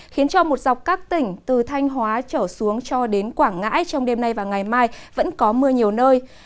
khiến cho một dọc các tỉnh từ thanh hóa trở xuống cho đến quảng ngãi trong đêm nay và ngày mai vẫn có mưa nhiều nơi